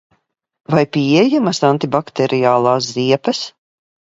Vai pieejamas antibakteriālās ziepes?